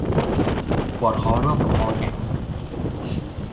ปวดคอร่วมกับคอแข็ง